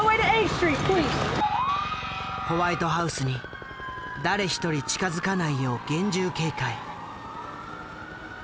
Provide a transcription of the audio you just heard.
ホワイトハウスに誰一人近づかないよう厳重警戒。